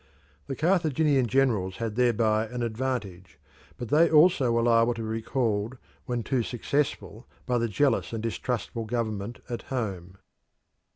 The Carthaginian generals had thereby an advantage, but they also were liable to be recalled when too successful by the jealous and distrustful government at home.